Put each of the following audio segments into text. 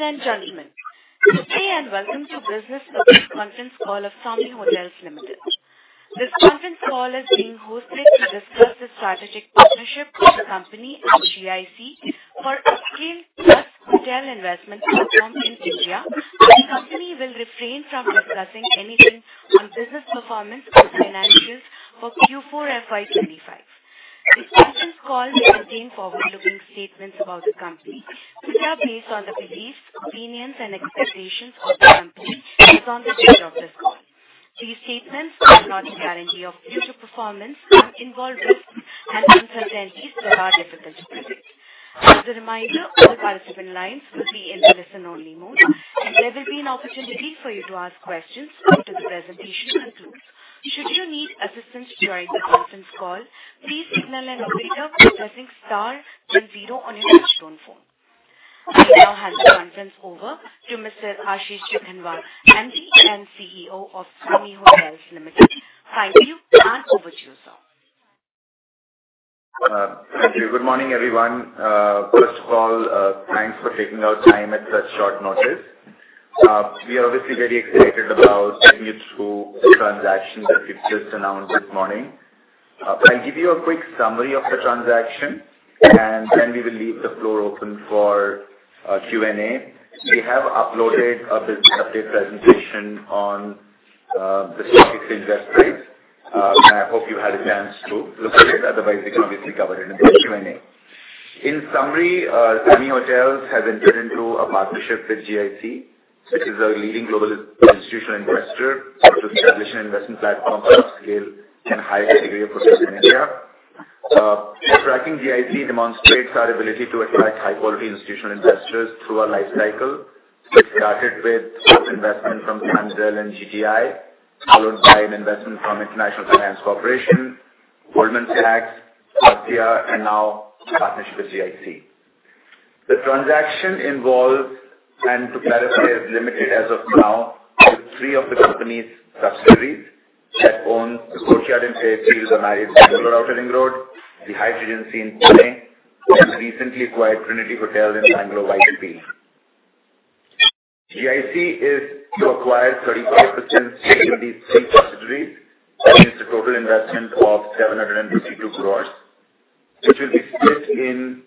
Ladies and gentlemen, good day and welcome to the business conference call of SAMHI Hotels Limited. This conference call is being hosted to discuss the strategic partnership of the company and GIC for a scale-plus hotel investment platform in India, and the company will refrain from discussing anything on business performance or financials for Q4 FY 2025. This conference call will contain forward-looking statements about the company, which are based on the beliefs, opinions, and expectations of the company as on the date of this call. These statements are not a guarantee of future performance and involve risks and uncertainties that are difficult to predict. As a reminder, all participant lines will be in the listen-only mode, and there will be an opportunity for you to ask questions after the presentation concludes. Should you need assistance during the conference call, please signal an operator by pressing star then zero on your touchstone phone. I now hand the conference over to Mr. Ashish Jakhanwala, MD and CEO of SAMHI Hotels Limited. Thank you, and over to you, sir. Thank you. Good morning, everyone. First of all, thanks for taking our time at such short notice. We are obviously very excited about getting you through the transaction that we've just announced this morning. I'll give you a quick summary of the transaction, and then we will leave the floor open for Q&A. We have uploaded a business update presentation on the stock exchange filings, and I hope you've had a chance to look at it. Otherwise, we can obviously cover it in the Q&A. In summary, SAMHI Hotels has entered into a partnership with GIC, which is a leading global institutional investor, to establish an investment platform for upscale and higher category of hotels in India. Tracking GIC demonstrates our ability to attract high-quality institutional investors through our life cycle. It started with investment from Sam Zell and GTI, followed by an investment from International Finance Corporation, Goldman Sachs, Aptia, and now a partnership with GIC. The transaction involves, and to clarify, is limited as of now to three of the company's subsidiaries that own the Courtyard and Fairfield on Marriott's Bengaluru Outer Ring Road, the Hyatt Place Pune, and recently acquired Trinity Hotel in Bengaluru Whitefield. GIC is to acquire 35% in these three subsidiaries, which is the total investment of 752 crore, which will be split in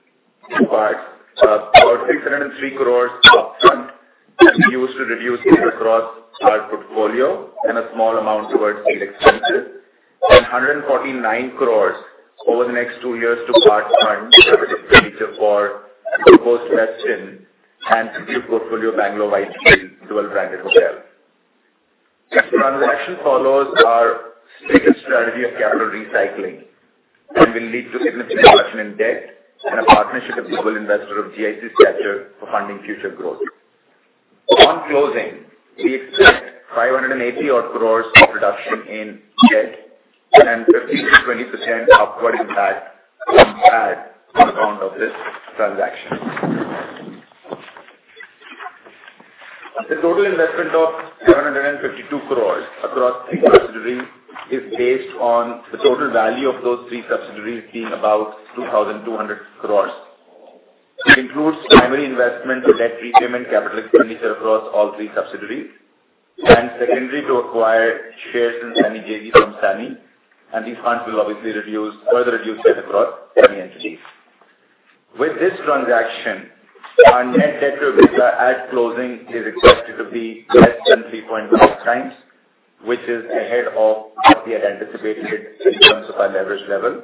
two parts. About 303 crore upfront will be used to reduce the debt across our portfolio and a small amount towards expenses, and 149 crore over the next two years to part fund the expenditure for the proposed Westin and future portfolio Bengaluru Whitefield dual-branded hotel. The transaction follows our strict strategy of capital recycling and will lead to significant reduction in debt and a partnership with global investors of GIC's stature for funding future growth. On closing, we expect 580 crore of reduction in debt and 15%-20% upward impact on the account of this transaction. The total investment of 752 crore across three subsidiaries is based on the total value of those three subsidiaries being about 2,200 crore. It includes primary investment of debt repayment capital expenditure across all three subsidiaries, and secondary to acquire shares in SAMHI JV from SAMHI, and these funds will obviously further reduce debt across SAMHI entities. With this transaction, our net debt to EBITDA at closing is expected to be less than 3.5x, which is ahead of what we had anticipated in terms of our leverage level.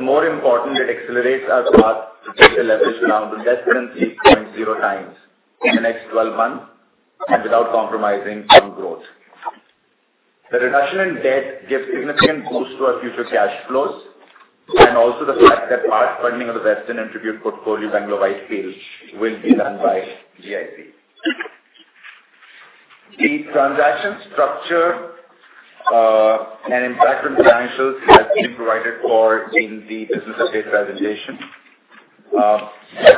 More important, it accelerates our path to take the leverage down to less than 3.0x in the next 12 months and without compromising on growth. The reduction in debt gives a significant boost to our future cash flows and also the fact that part funding of the Westin and Tribute portfolio Bengaluru Whitefield will be done by GIC. The transaction structure and impact on financials has been provided for in the business update presentation.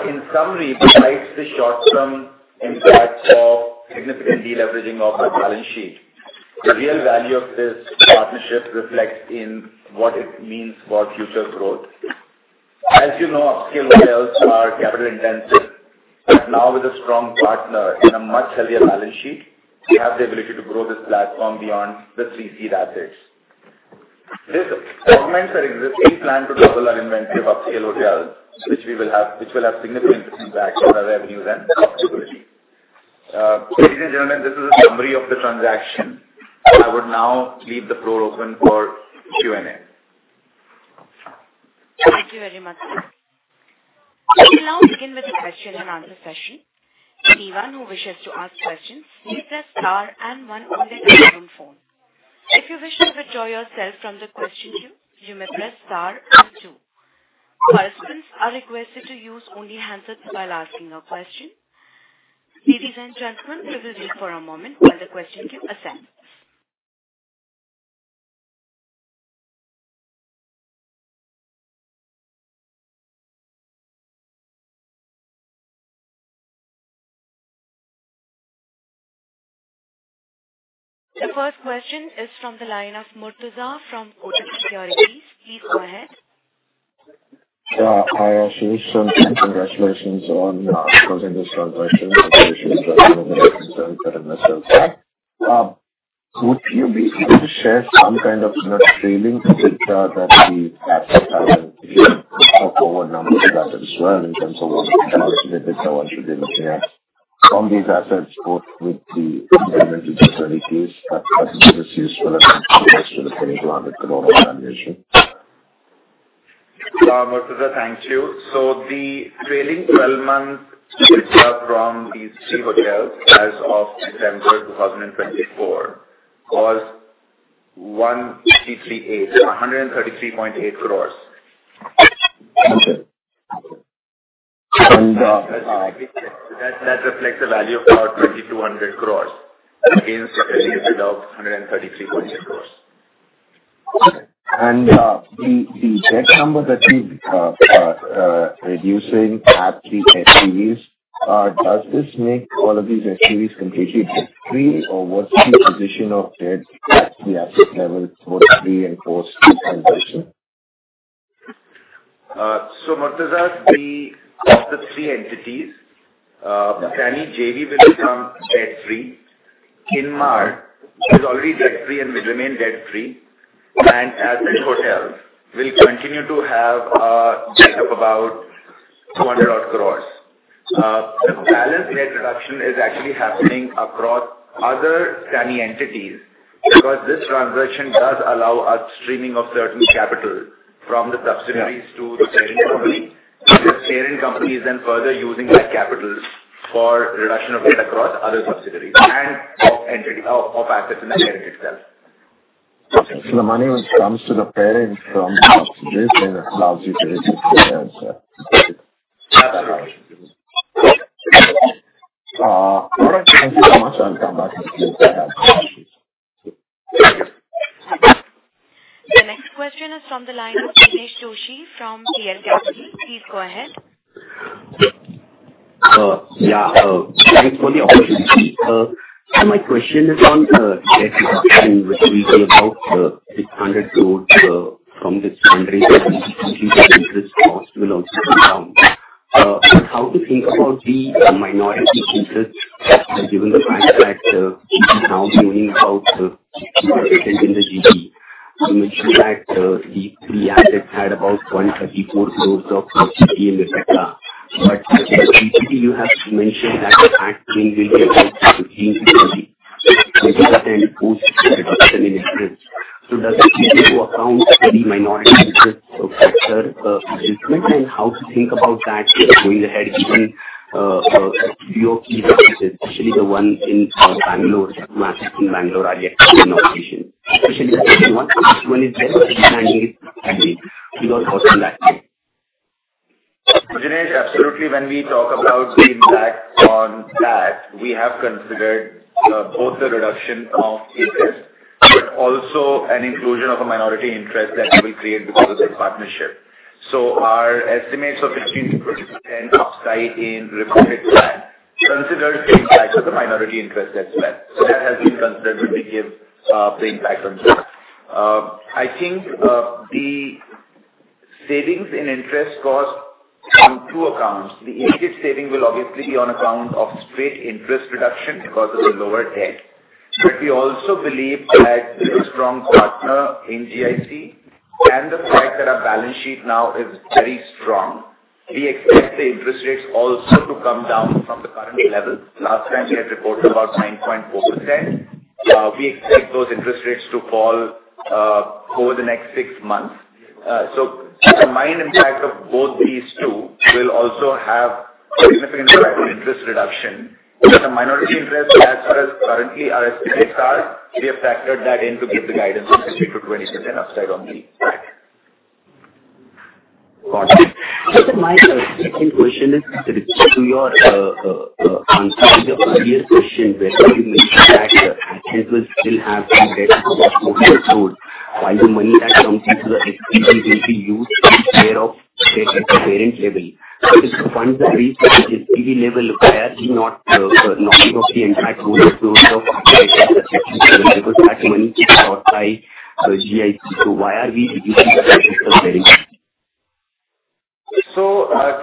In summary, despite the short-term impact of significant deleveraging of our balance sheet, the real value of this partnership reflects in what it means for future growth. As you know, upscale hotels are capital-intensive, but now with a strong partner and a much healthier balance sheet, we have the ability to grow this platform beyond the three seed assets. This augments our existing plan to double our inventory of upscale hotels, which will have significant impact on our revenues and profitability. Ladies and gentlemen, this is a summary of the transaction. I would now leave the floor open for Q&A. Thank you very much. We will now begin with the question-and-answer session. Anyone who wishes to ask questions may press star and 1 on their telephone. If you wish to withdraw yourself from the question queue, you may press star and two. Participants are requested to use only handsets while asking a question. Ladies and gentlemen, we will wait for a moment while the question queue assembles. The first question is from the line of Murtaza from Hotel Securities. Please go ahead Yeah. Hi, Ashish. Congratulations on closing this transaction. I'm very sure there are no major concerns that are missing. Would you be able to share some kind of trailing data that we have to have and if you could talk over number of that as well in terms of what the market is, what should we be looking at on these assets both with the incremental utilities that is useful as compared to the INR 2,200 crore valuation? Yeah, Murtaza, thank you. The trailing 12-month data from these three hotels as of December 2024 was 133.8 crore, INR 133.8 crore. Okay. That reflects a value of about 2,200 crore against a value of 133.8 crore. The debt number that you're reducing at the SPVs, does this make all of these SPVs completely debt-free, or what's the position of debt at the asset levels, both 3 and 4, 6, and 7? Murtaza, of the three entities, SAMHI JV will become debt-free. Inmar is already debt-free and will remain debt-free. Ascent Hotels will continue to have a debt of about 200 crore. The balance debt reduction is actually happening across other SAMHI entities because this transaction does allow us streaming of certain capital from the subsidiaries to the parent company, and the parent company is then further using that capital for reduction of debt across other subsidiaries and of assets in the parent itself. The money which comes to the parent from the subsidiaries then allows you to reduce the debt? Yeah, that's right. All right. Thank you so much. I'll come back next week to have Ashish. The next question is from the line of Dinesh Joshi from KL Gasoline. Please go ahead. Yeah. Thank you for the opportunity. My question is on debt reduction, which we gave out 600 crores from this fundraiser. The interest cost will also come down. How to think about the minority interest given the fact that we are now viewing about 50% in the JB? You mentioned that the three assets had about 134 crores of JB in EBITDA, but the JB you have mentioned that at $3 million to 15%-20% post reduction in interest. Does it take into account the minority interest factor? How to think about that going ahead given a few of these assets, especially the one in Bengaluru, that's massive in Bengaluru, are yet to be in operation? Especially the second one. This one is very understanding is to be made. What are your thoughts on that? Dinesh, absolutely. When we talk about the impact on that, we have considered both the reduction of interest but also an inclusion of a minority interest that we will create because of the partnership. Our estimates of 15%-20% upside in reported plan considered the impact of the minority interest as well. That has been considered when we give the impact on that. I think the savings in interest cost on two accounts. The immediate saving will obviously be on account of straight interest reduction because of the lower debt. We also believe that the strong partner in GIC and the fact that our balance sheet now is very strong, we expect the interest rates also to come down from the current level. Last time, we had reported about 9.4%. We expect those interest rates to fall over the next six months. The combined impact of both these two will also have significant impact on interest reduction. The minority interest, as far as currently our estimates are, we have factored that in to give the guidance of 15%-20% upside on the assets. My second question is to your answer to the earlier question where you mentioned that Ashish will still have some debt to be closed, while the money that comes into the STV will be used to take care of debt at the parent level. Is the funds at least at the STV level? Why are we not knocking off the entire closing period of the STV level? Because that money is shot by GIC. Why are we reducing the STV level?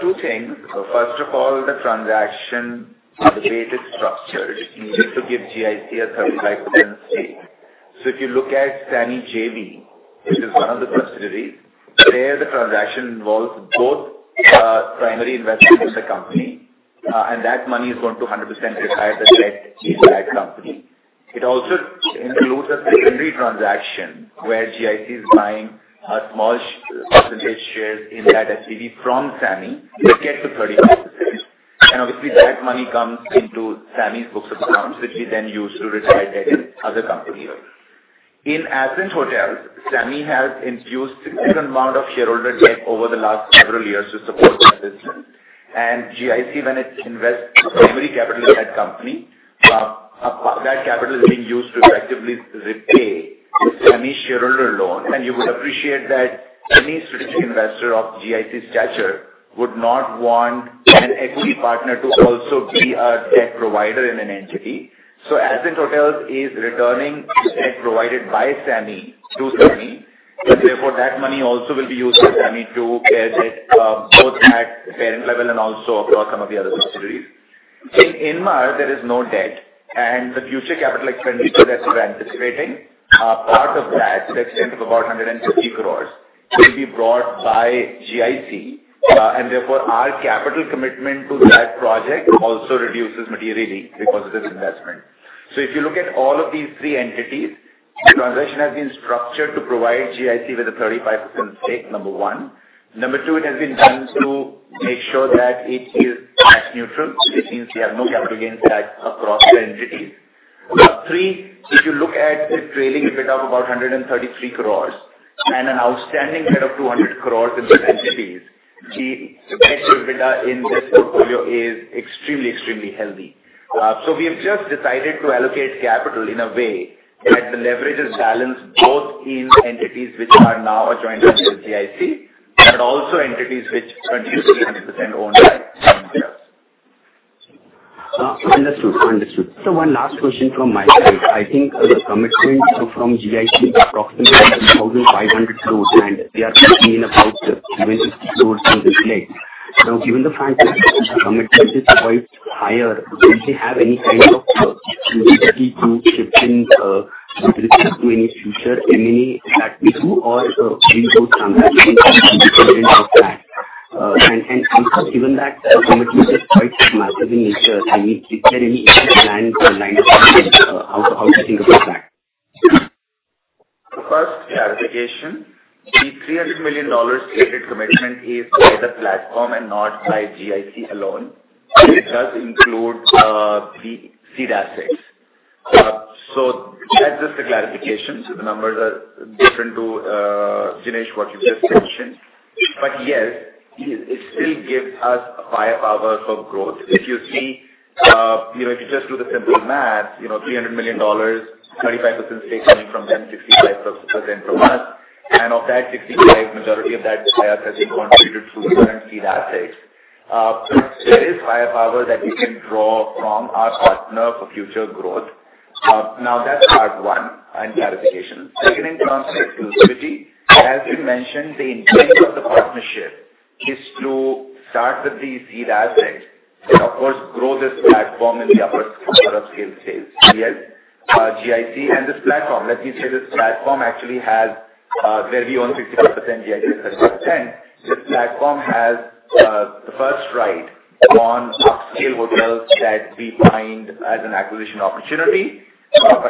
Two things. First of all, the transaction, the way it is structured, needs to give GIC a 35% stake. If you look at SAMHI JV, which is one of the subsidiaries, there the transaction involves both primary investment in the company, and that money is going to 100% retire the debt in that company. It also includes a secondary transaction where GIC is buying a small percentage shares in that STV from SAMHI to get to 35%. Obviously, that money comes into SAMHI's books of accounts, which we then use to retire debt in other companies. In Ascent Hotels, SAMHI has infused a significant amount of shareholder debt over the last several years to support their business. GIC, when it invests primary capital in that company, that capital is being used to effectively repay the SAMHI shareholder loan. You would appreciate that any strategic investor of GIC stature would not want an equity partner to also be a debt provider in an entity. Ascent Hotels is returning debt provided by SAMHI to SAMHI. That money also will be used by SAMHI to pay the debt both at the parent level and also across some of the other subsidiaries. In Inmar, there is no debt, and the future capital expenditure that we're anticipating, part of that, to the extent of about 150 crore, will be brought by GIC. Our capital commitment to that project also reduces materially because of this investment. If you look at all of these three entities, the transaction has been structured to provide GIC with a 35% stake, number one. Number two, it has been done to make sure that it is tax-neutral, which means we have no capital gains tax across the entities. Three, if you look at the trailing EBITDA of about 133 crore and an outstanding debt of 200 crore in these entities, the net EBITDA in this portfolio is extremely, extremely healthy. We have just decided to allocate capital in a way that the leverage is balanced both in entities which are now adjoined to GIC, but also entities which continue to be 100% owned by SAMHI. Understood. Understood. One last question from my side. I think the commitment from GIC is approximately 2,500 crore, and they are putting in about 70 crore to this place. Now, given the fact that the commitment is quite higher, do they have any kind of utility to shift in utilities to any future M&A that we do, or will those transactions be independent of that? Given that the commitment is quite massive in nature, is there any extra plan or line of thought on how to think about that? First clarification, the $300 million stated commitment is by the platform and not by GIC alone. It does include the seed assets. That's just a clarification. The numbers are different to Dinesh, what you've just mentioned. Yes, it still gives us a firepower for growth. If you see, if you just do the simple math, $300 million, 35% stake coming from them, 65% from us, and of that 65%, majority of that buyout has been contributed through current seed assets. There is firepower that we can draw from our partner for future growth. Now, that's part one and clarification. Second, in terms of exclusivity, as we mentioned, the intent of the partnership is to start with the seed asset and, of course, grow this platform in the upper scale stage, GIC. This platform, let me say, this platform actually has where we own 65%, GIC has 35%. This platform has the first right on upscale hotels that we find as an acquisition opportunity.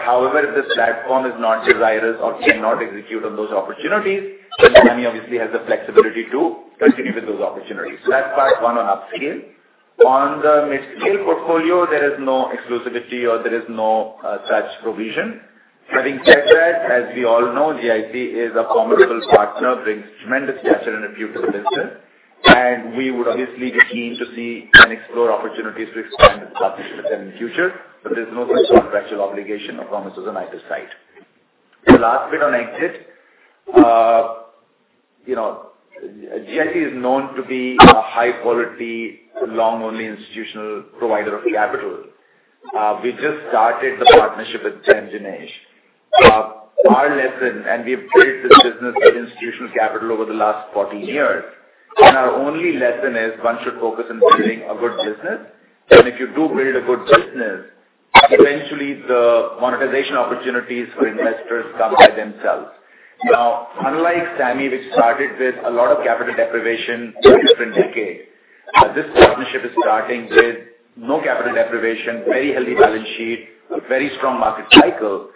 However, if this platform is not desirous or cannot execute on those opportunities, then SAMHI obviously has the flexibility to continue with those opportunities. That is part one on upscale. On the mid-scale portfolio, there is no exclusivity or there is no such provision. Having said that, as we all know, GIC is a formidable partner, brings tremendous stature and appeal to the business. We would obviously be keen to see and explore opportunities to expand this partnership in the future. There is no such contractual obligation or promises on either side. The last bit on exit, GIC is known to be a high-quality, long-only institutional provider of capital. We just started the partnership with Dinesh. Our lesson, and we have built this business with institutional capital over the last 14 years, and our only lesson is one should focus on building a good business. If you do build a good business, eventually, the monetization opportunities for investors come by themselves. Now, unlike SAMHI, which started with a lot of capital deprivation in a different decade, this partnership is starting with no capital deprivation, very healthy balance sheet, a very strong market cycle.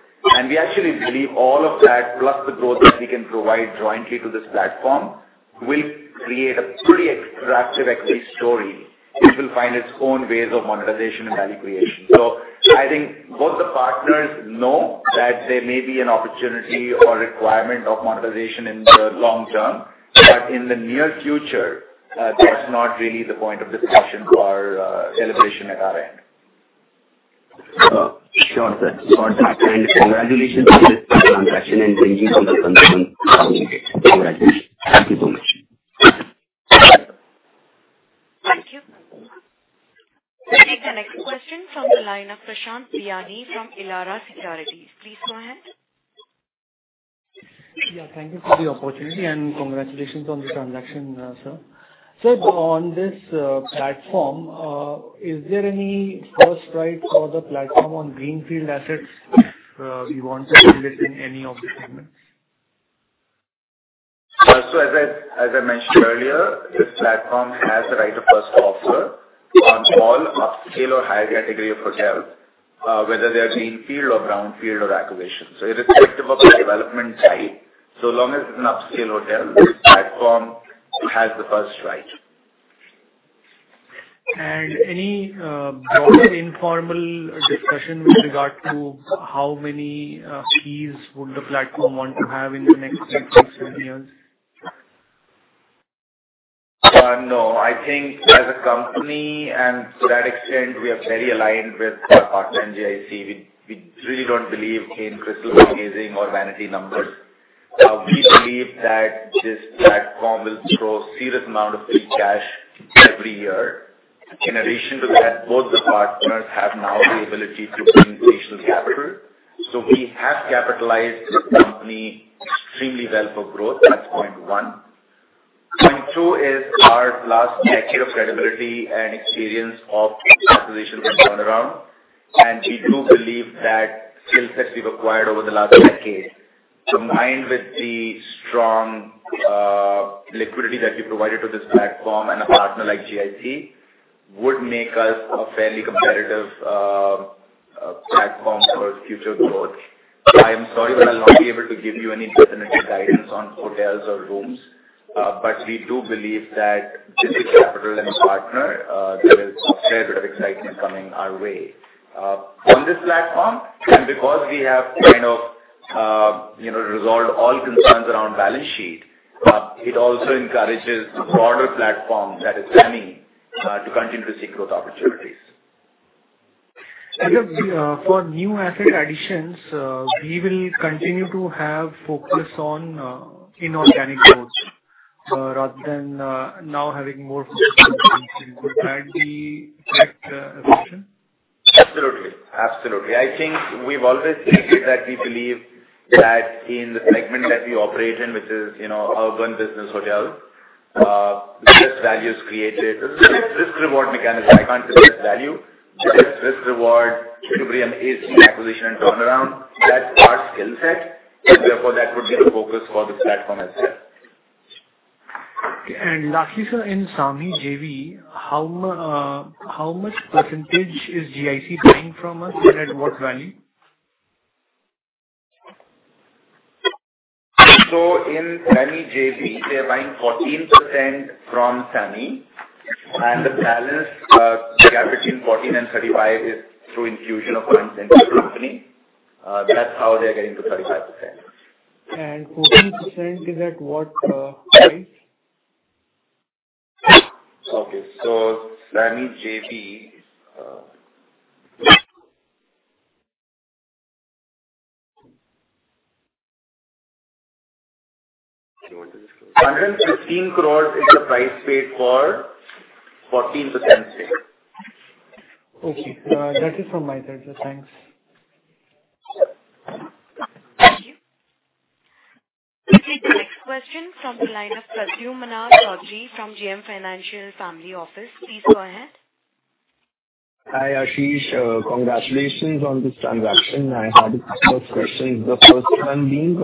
We actually believe all of that, plus the growth that we can provide jointly to this platform, will create a pretty attractive equity story which will find its own ways of monetization and value creation. I think both the partners know that there may be an opportunity or requirement of monetization in the long term, but in the near future, that's not really the point of discussion or deliberation at our end. Sure. Thanks for that. Congratulations on this transaction and bringing to the conclusion. Congratulations. Thank you so much. Thank you. We'll take the next question from the line of Prashant Biyani from Elara Securities. Please go ahead. Yeah, thank you for the opportunity and congratulations on the transaction, sir. On this platform, is there any first right for the platform on greenfield assets if we want to build it in any of the segments? As I mentioned earlier, this platform has the right of first offer on all upscale or higher category of hotels, whether they're greenfield or brownfield or acquisition. Irrespective of the development type, so long as it's an upscale hotel, this platform has the first right. Any broader informal discussion with regard to how many keys would the platform want to have in the next six, seven years? No. I think as a company, and to that extent, we are very aligned with our partner in GIC. We really do not believe in crystallizing or vanity numbers. We believe that this platform will throw a serious amount of free cash every year. In addition to that, both the partners have now the ability to bring regional capital. We have capitalized the company extremely well for growth. That is point one. Point two is our last decade of credibility and experience of capitalization and turnaround. We do believe that skill sets we have acquired over the last decade, combined with the strong liquidity that we provided to this platform and a partner like GIC, would make us a fairly competitive platform for future growth. I am sorry that I'll not be able to give you any definitive guidance on hotels or rooms, but we do believe that this is capital and partner. There is a fair bit of excitement coming our way on this platform. Because we have kind of resolved all concerns around balance sheet, it also encourages the broader platform that is SAMHI to continue to seek growth opportunities. For new asset additions, we will continue to have focus on inorganic growth rather than now having more focus on greenfield. Would that be correct assumption? Absolutely. Absolutely. I think we've always stated that we believe that in the segment that we operate in, which is urban business hotels, less value is created. This is a risk-reward mechanism. I can't say there's value. There is risk-reward equilibrium in acquisition and turnaround. That's our skill set. That would be the focus for this platform as well. Lakhisa, in SAMHI JV, how much percentage is GIC buying from us and at what value? In SAMHI JV, they're buying 14% from SAMHI. The balance gap between 14% and 35% is through infusion of funds into the company. That's how they're getting to 35%. 14% is at what price? Okay. SAMHI JV, 115 crore is the price paid for 14% stake. Okay. That is from my side. Thanks. Thank you. We'll take the next question from the line of Pradyumba Choudhary from JM Financial Family Office. Please go ahead. Hi Ashish. Congratulations on this transaction. I had a couple of questions. The first one being,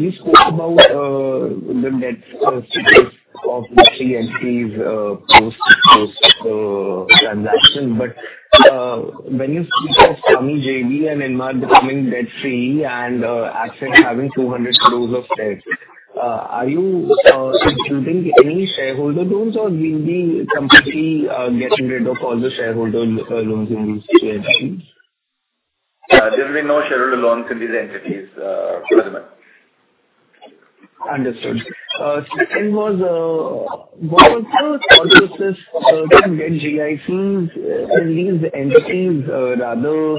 you spoke about the debt status of the three entities post-transaction. When you speak of SAMHI JV and Inmar becoming debt-free and Ashish having 200 crores of debt, are you including any shareholder loans or will we completely get rid of all the shareholder loans in these two entities? There will be no shareholder loans in these entities for the month. Understood. Second was, what was the thought process to get GICs in these entities rather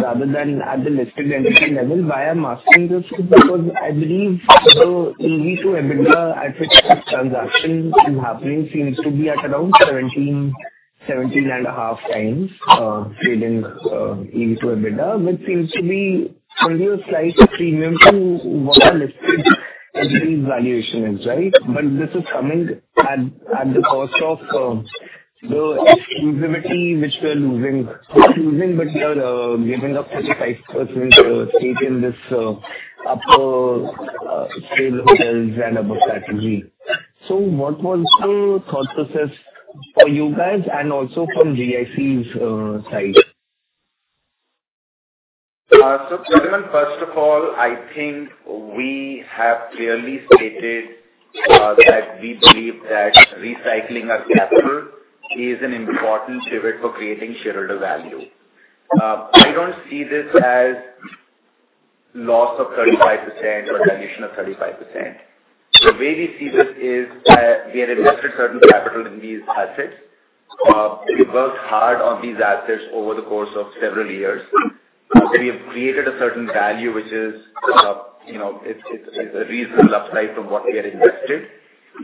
than at the listed entity level via mastering? Because I believe the EV to EBITDA at which this transaction is happening seems to be at around 17x-17.5x trading EV to EBITDA, which seems to be only a slight premium to what the listed entity's valuation is, right? This is coming at the cost of the exclusivity which we're losing. Exclusivity, but we are giving up 35% stake in this upper-scale hotels and above strategy. What was the thought process for you guys and also from GIC's side? Pradyuman, first of all, I think we have clearly stated that we believe that recycling of capital is an important pivot for creating shareholder value. I do not see this as loss of 35% or valuation of 35%. The way we see this is that we had invested certain capital in these assets. We have worked hard on these assets over the course of several years. We have created a certain value, which is a reasonable upside from what we had invested.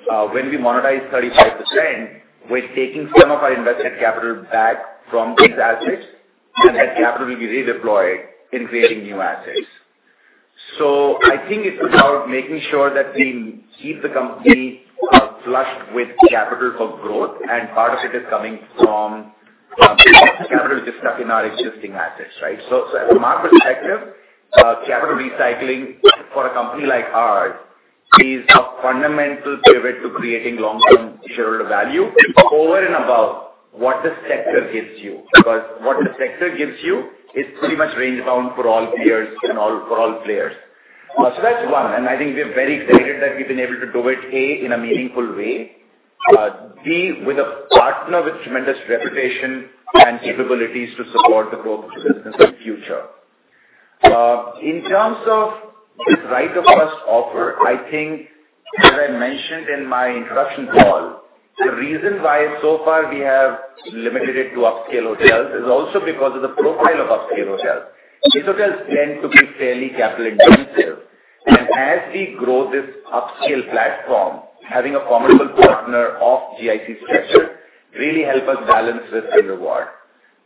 When we monetize 35%, we are taking some of our invested capital back from these assets, and that capital will be redeployed in creating new assets. I think it is about making sure that we keep the company flushed with capital for growth, and part of it is coming from capital which is stuck in our existing assets, right? From our perspective, capital recycling for a company like ours is a fundamental pivot to creating long-term shareholder value over and above what the sector gives you. Because what the sector gives you is pretty much range-bound for all players and for all players. That's one. I think we're very excited that we've been able to do it, A, in a meaningful way, B, with a partner with tremendous reputation and capabilities to support the growth of the business in the future. In terms of this right of first offer, I think, as I mentioned in my introduction call, the reason why so far we have limited it to upscale hotels is also because of the profile of upscale hotels. These hotels tend to be fairly capital-intensive. As we grow this upscale platform, having a formidable partner of GIC's structure really helps us balance risk and reward.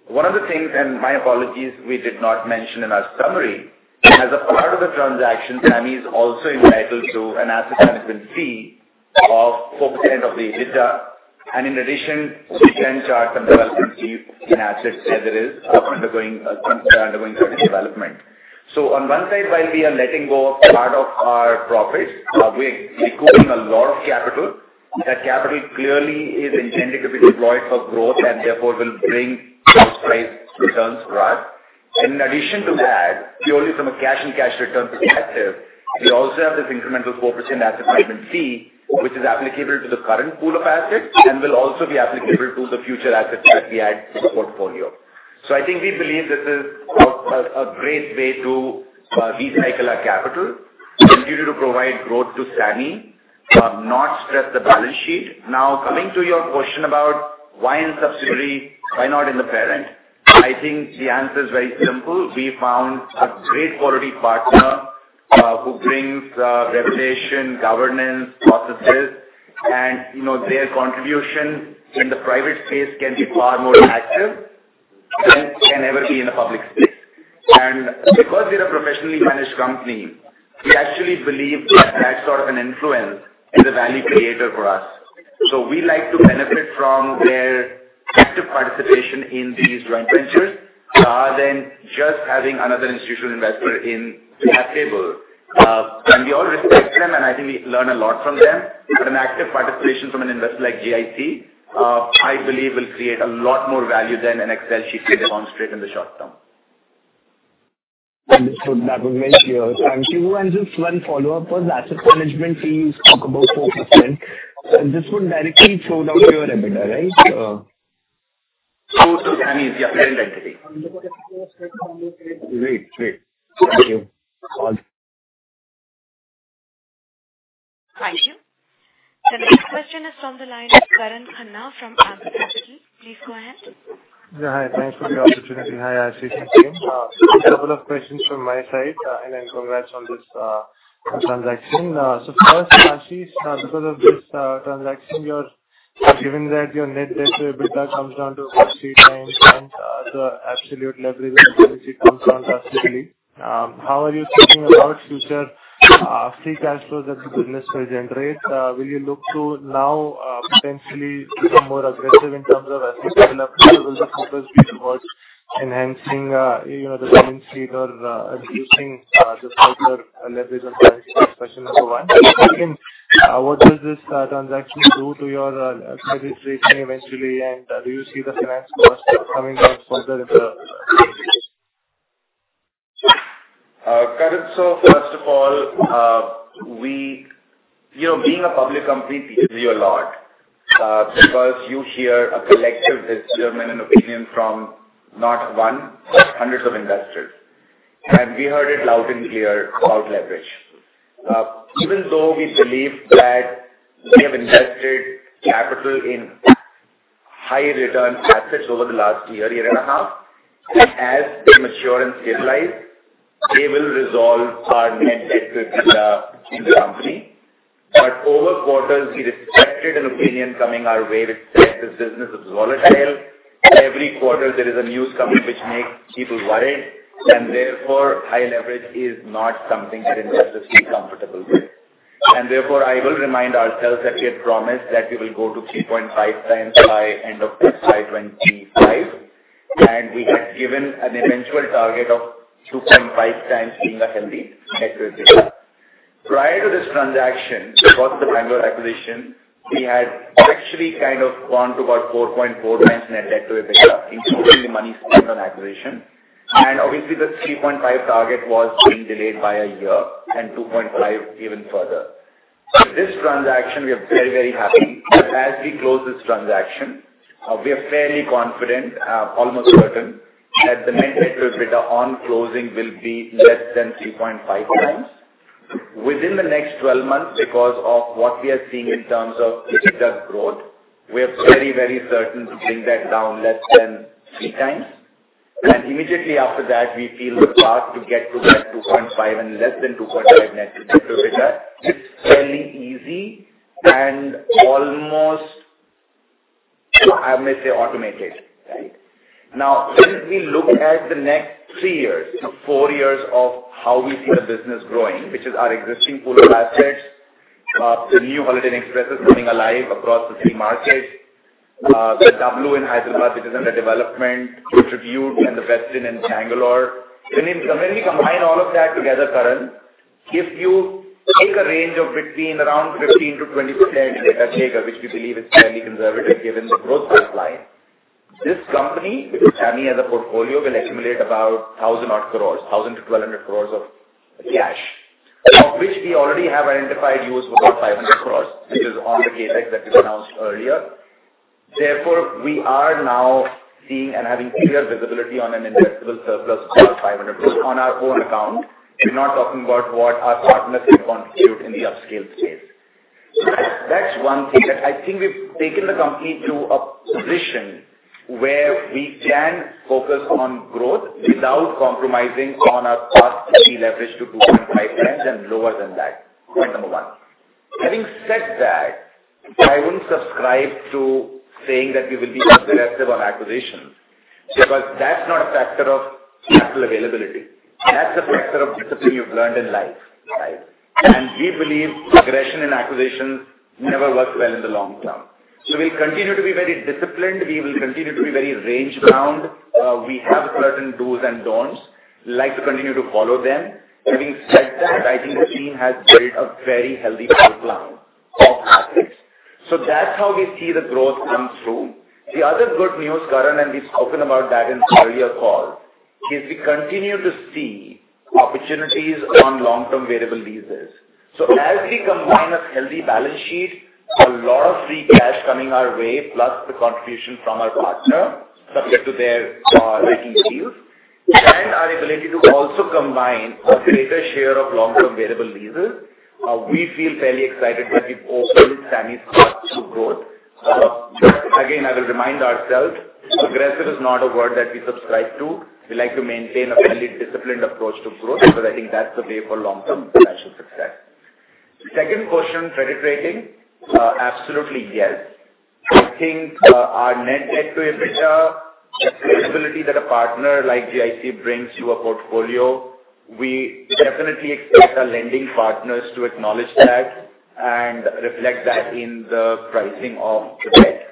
One of the things, and my apologies, we did not mention in our summary, as a part of the transaction, SAMHI is also entitled to an asset management fee of 4% of the EBITDA. In addition, we can charge some development fee in assets where there is some undergoing certain development. On one side, while we are letting go of part of our profits, we are recouping a lot of capital. That capital clearly is intended to be deployed for growth and therefore will bring price returns for us. In addition to that, purely from a cash-on-cash return perspective, we also have this incremental 4% asset management fee, which is applicable to the current pool of assets and will also be applicable to the future assets that we add to the portfolio. I think we believe this is a great way to recycle our capital, continue to provide growth to SAMHI, not stress the balance sheet. Now, coming to your question about why in subsidiary, why not in the parent, I think the answer is very simple. We found a great quality partner who brings regulation, governance, processes, and their contribution in the private space can be far more active than it can ever be in the public space. Because we're a professionally managed company, we actually believe that that sort of an influence is a value creator for us. We like to benefit from their active participation in these joint ventures rather than just having another institutional investor in that table. We all respect them, and I think we learn a lot from them. An active participation from an investor like GIC, I believe, will create a lot more value than an Excel sheet can demonstrate in the short term. That was very clear. Thank you. Just one follow-up on asset management fees, you spoke about 4%. This would directly throw down your EBITDA, right? Through SAMHI's listed entity. Great. Great. Thank you. Thank you. The next question is from the line of Karan Khanna from Ambit Capital. Please go ahead. Hi. Thanks for the opportunity. Hi, Ashish. Same couple of questions from my side. And congrats on this transaction. First, Ashish, because of this transaction, given that your net debt to EBITDA comes down to about 3x, the absolute leverage of the equity comes down to 30. How are you thinking about future free cash flows that the business will generate? Will you look to now potentially become more aggressive in terms of asset development, or will the focus be towards enhancing the balance sheet or reducing the further leverage on balance sheet, question number one? Second, what does this transaction do to your credit rating eventually, and do you see the finance cost coming down further in the future? Karan, first of all, being a public company teaches you a lot because you hear a collective discernment and opinion from not one, but hundreds of investors. We heard it loud and clear about leverage. Even though we believe that we have invested capital in high-return assets over the last year, year and a half, as they mature and stabilize, they will resolve our net debt to EBITDA in the company. Over quarters, we respected an opinion coming our way which said this business is volatile. Every quarter, there is a news come in which makes people worried. Therefore, high leverage is not something that investors feel comfortable with. I will remind ourselves that we had promised that we will go to 3.5x by end of 2025. We had given an eventual target of 2.5x being a healthy net debt to EBITDA. Prior to this transaction, before the Bengaluru acquisition, we had actually kind of gone to about 4.4x net debt to EBITDA, including the money spent on acquisition. Obviously, the 3.5 target was being delayed by a year and 2.5 even further. With this transaction, we are very, very happy. As we close this transaction, we are fairly confident, almost certain, that the net debt to EBITDA on closing will be less than 3.5x. Within the next 12 months, because of what we are seeing in terms of EBITDA growth, we are very, very certain to bring that down less than 3x. Immediately after that, we feel the path to get to that 2.5 and less than 2.5 net debt to EBITDA is fairly easy and almost, I may say, automated, right? Now, when we look at the next three years, four years of how we see the business growing, which is our existing pool of assets, the new Holiday Inn Expresses coming alive across the three markets, the W in Hyderabad, which is under development, Tribute, and the Westin in Bengaluru. When we combine all of that together, Karan, if you take a range of between around 15%-20% at a shaker, which we believe is fairly conservative given the growth pipeline, this company, SAMHI as a portfolio, will accumulate about 1,000-odd crore, 1,000 crore- 1,200 crore of cash, of which we already have identified use for about 500 crore, which is on the CapEx that we announced earlier. Therefore, we are now seeing and having clear visibility on an investable surplus of about 500 crore on our own account. We're not talking about what our partners can contribute in the upscale space. That's one thing that I think we've taken the company to a position where we can focus on growth without compromising on our path to be leveraged to 2.5x and lower than that, point number one. Having said that, I wouldn't subscribe to saying that we will be aggressive on acquisitions because that's not a factor of capital availability. That's a factor of discipline you've learned in life, right? We believe aggression in acquisitions never works well in the long term. We will continue to be very disciplined. We will continue to be very range-bound. We have certain do's and don'ts. We like to continue to follow them. Having said that, I think the team has built a very healthy pipeline of assets. That's how we see the growth come through. The other good news, Karan, and we've spoken about that in the earlier call, is we continue to see opportunities on long-term variable leases. As we combine a healthy balance sheet, a lot of free cash coming our way, plus the contribution from our partner subject to their rating deals, and our ability to also combine a greater share of long-term variable leases, we feel fairly excited that we've opened SAMHI's path to growth. Again, I will remind ourselves, aggressive is not a word that we subscribe to. We like to maintain a fairly disciplined approach to growth because I think that's the way for long-term financial success. Second question, credit rating. Absolutely, yes. I think our net debt to EBITDA, the credibility that a partner like GIC brings to a portfolio, we definitely expect our lending partners to acknowledge that and reflect that in the pricing of the debt.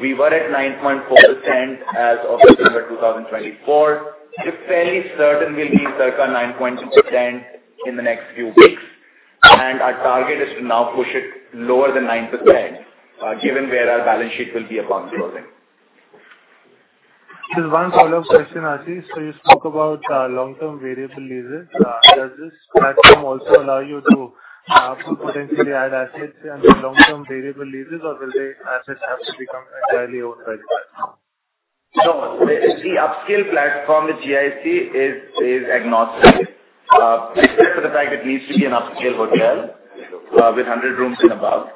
We were at 9.4% as of December 2024. We're fairly certain we'll be circa 9.2% in the next few weeks. Our target is to now push it lower than 9%, given where our balance sheet will be upon closing. Just one follow-up question, Ashish. You spoke about long-term variable leases. Does this platform also allow you to potentially add assets under long-term variable leases, or will the assets have to become entirely owned by the platform? No. The upscale platform with GIC is agnostic, except for the fact it needs to be an upscale hotel with 100 rooms and above.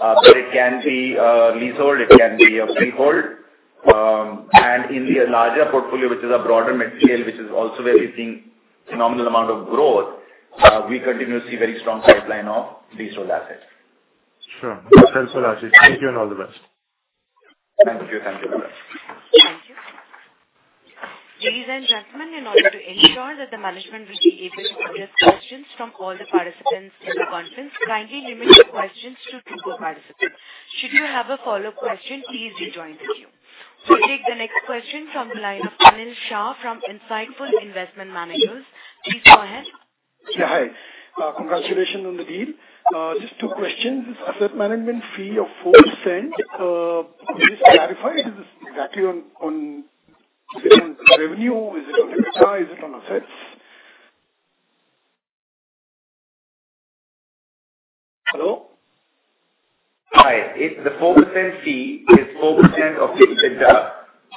It can be a leasehold. It can be a freehold. In the larger portfolio, which is a broader mid-scale, which is also where we're seeing a phenomenal amount of growth, we continue to see a very strong pipeline of leasehold assets. Sure. That's helpful, Ashish. Thank you and all the best. Thank you. Thank you very much. Thank you. Ladies and gentlemen, in order to ensure that the management will be able to address questions from all the participants in the conference, kindly limit your questions to two participants. Should you have a follow-up question, please rejoin the queue. We'll take the next question from the line of Anil Shah from Insightful Investment Managers. Please go ahead. Yeah. Hi. Congratulations on the deal. Just two questions. This asset management fee of 4%, could you just clarify? Is this exactly on revenue? Is it on EBITDA? Is it on assets? Hello? Hi. The 4% fee is 4% of the EBITDA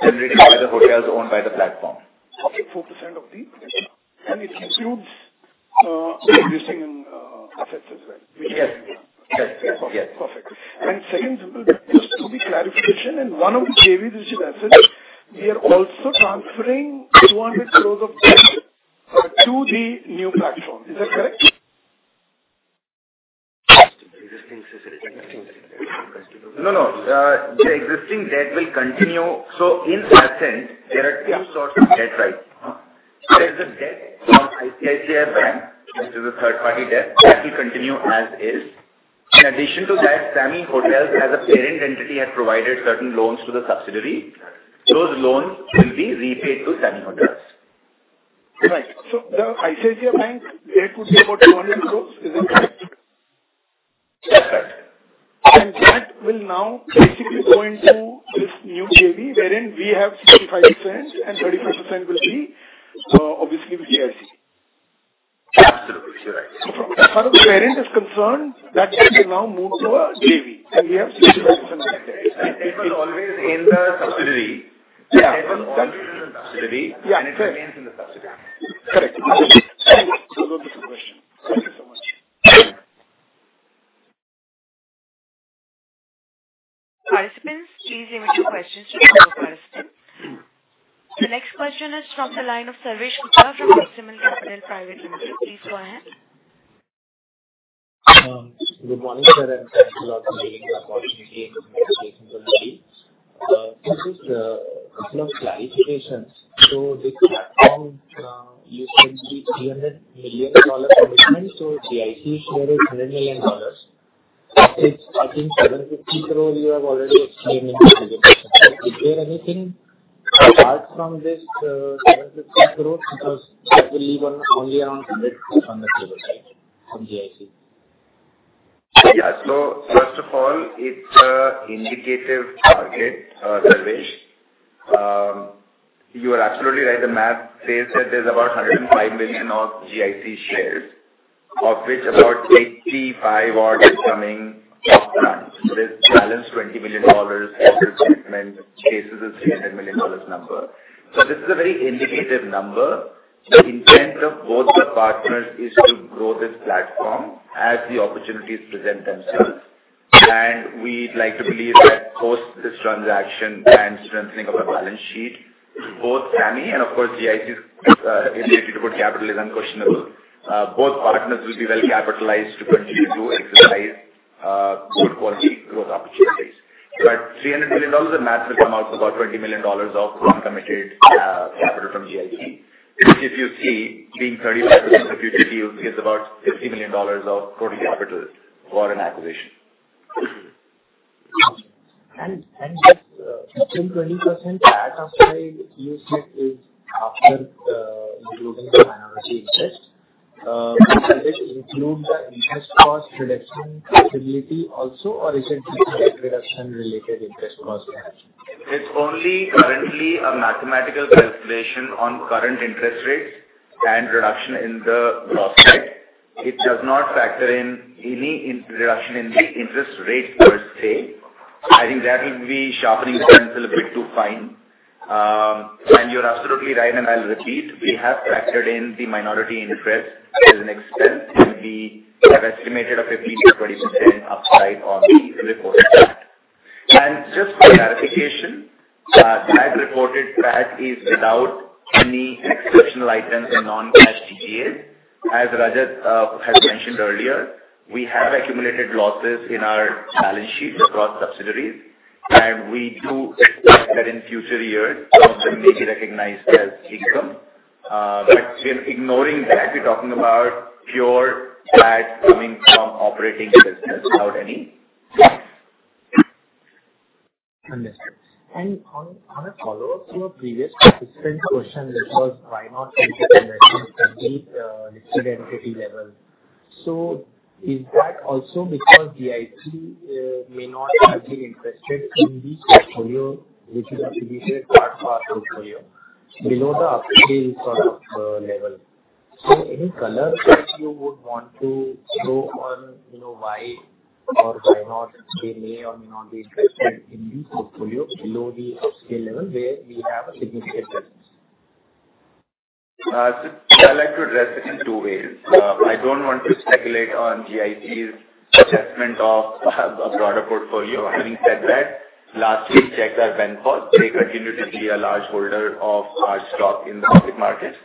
generated by the hotels owned by the platform. Okay. 4% of the EBITDA. And it includes existing assets as well, which is the EBITDA. Yes. Yes. Yes. Perfect. Perfect. Just to be clarified, Ashish, in one of the JV-registered assets, we are also transferring 200 crore of debt to the new platform. Is that correct? No, no. The existing debt will continue. In that sense, there are two sorts of debts, right? There is a debt from ICICI Bank, which is a third-party debt. That will continue as is. In addition to that, SAMHI Hotels, as a parent entity, had provided certain loans to the subsidiary. Those loans will be repaid to SAMHI Hotels. Right. The ICICI Bank debt would be about 200 crore, isn't it? That's right. That will now basically go into this new JV, wherein we have 65%, and 35% will be obviously with GIC. Absolutely. You're right. As far as the parent is concerned, that debt will now move to a JV. We have 65% of the debt. It will always end at the subsidiary. The debt will always end at the subsidiary. Yeah. It remains in the subsidiary. Correct. Thank you. That was the question. Thank you so much. Participants, please limit your questions to a couple of participants. The next question is from the line of Sarvesh Gupta from Maximal Capital Private Limited. Please go ahead. Good morning, sir. Thank you all for giving me the opportunity to participate in the deal. Just a couple of clarifications. This platform used to be $300 million commitment. GIC share is $100 million. I think 750 crore you have already explained in the presentation. Is there anything apart from this INR 750 crore because that will leave only around 100 crore on the table from GIC? Yeah. First of all, it's an indicative target, Sarvesh. You are absolutely right. The math says that there's about $105 million of GIC shares, of which about $85 million or so are coming upfront. There's balance $20 million as a commitment, faces a $300 million number. This is a very indicative number. The intent of both the partners is to grow this platform as the opportunities present themselves. We'd like to believe that post this transaction and strengthening of our balance sheet, both SAMHI and, of course, GIC's ability to put capital is unquestionable. Both partners will be well-capitalized to continue to exercise good quality growth opportunities. $300 million, the math will come out to about $20 million of uncommitted capital from GIC, which, if you see, being 35% of future yields, gives about $50 million of total capital for an acquisition. Just within 20%, that assay you said is after including the minority interest. Does it include the interest cost reduction possibility also, or is it just the reduction-related interest cost? It's only currently a mathematical calculation on current interest rates and reduction in the cost rate. It does not factor in any reduction in the interest rate per se. I think that will be sharpening the pencil a bit too fine. You're absolutely right, and I'll repeat. We have factored in the minority interest as an expense, and we have estimated a 15%-20% upside on the reported PAT. Just for clarification, that reported PAT is without any exceptional items and non-cash ETAs. As Rajat has mentioned earlier, we have accumulated losses in our balance sheet across subsidiaries. We do expect that in future years, some of them may be recognized as income. Ignoring that, we're talking about pure PAT coming from operating business without any. Understood. On a follow-up to a previous participant's question, which was why not make it a legend indeed listed entity level? Is that also because GIC may not have been interested in these portfolios, which would be considered part of our portfolio, below the upscale sort of level? Any color that you would want to throw on why or why not they may or may not be interested in these portfolios below the upscale level where we have a significant difference? I'd like to address it in two ways. I don't want to speculate on GIC's assessment of a broader portfolio. Having said that, last week, we checked our benchmarks. They continue to be a large holder of our stock in the public markets.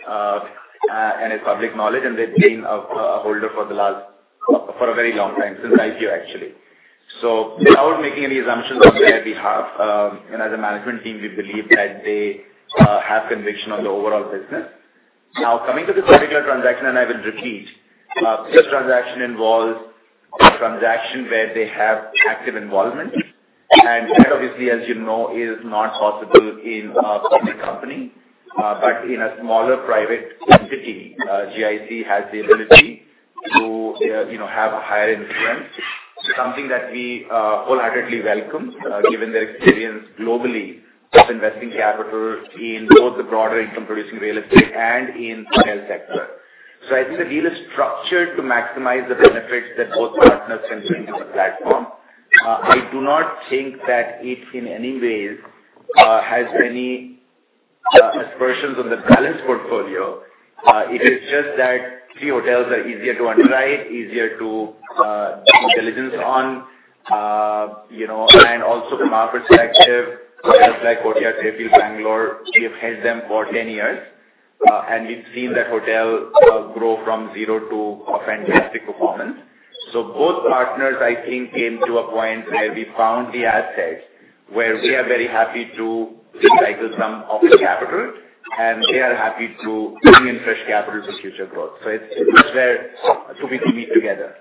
It's public knowledge, and they've been a holder for a very long time, since IPO, actually. Without making any assumptions on their behalf, and as a management team, we believe that they have conviction on the overall business. Now, coming to this particular transaction, and I will repeat, this transaction involves a transaction where they have active involvement. That, obviously, as you know, is not possible in a public company. In a smaller private entity, GIC has the ability to have a higher influence, something that we wholeheartedly welcome, given their experience globally of investing capital in both the broader income-producing real estate and in the health sector. I think the deal is structured to maximize the benefits that both partners can bring to the platform. I do not think that it in any way has any aspersions on the balance portfolio. It is just that three hotels are easier to underwrite, easier to do due diligence on. Also, from our perspective, hotels like Hotel Smart Bengaluru, we have hedged them for 10 years. We've seen that hotel grow from zero to a fantastic performance. Both partners, I think, came to a point where we found the assets where we are very happy to cycle some of the capital, and they are happy to bring in fresh capital for future growth. It is where two people meet together.